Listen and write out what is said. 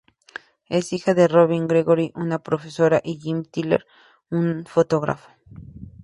Es hija de Robin Gregory, una profesora, y Jim Tyler, un fotógrafo.